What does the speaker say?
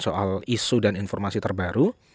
soal isu dan informasi terbaru